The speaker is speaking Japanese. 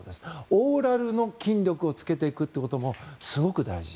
オーラルの筋力をつけていくこともすごく大事。